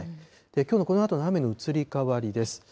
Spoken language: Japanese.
きょうのこのあとの雨の移り変わりです。